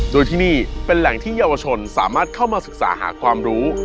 โดยที่นี่เป็นแหล่งที่เยาวชนสามารถเข้ามาศึกษาหาความรู้